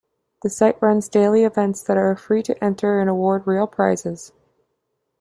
The site runs daily events that are free to enter and award real prizes.